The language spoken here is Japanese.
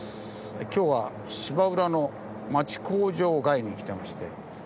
今日は芝浦の町工場街に来てまして。